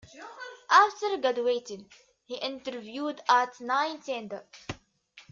After graduating, he interviewed at Nintendo.